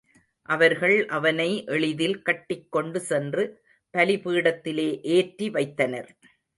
அவர்கள் அவனை எளிதில் கட்டிக்கொண்டு சென்று, பலி பீடத்திலே ஏற்றி வைத்தனர்.